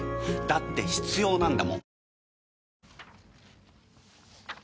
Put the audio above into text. だって必要なんだもん